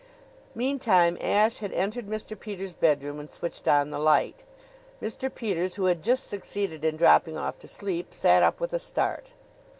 Meantime Ashe had entered Mr. Peters' bedroom and switched on the light. Mr. Peters, who had just succeeded in dropping off to sleep, sat up with a start.